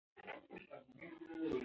افغانستان د کوچیانو کوربه دی..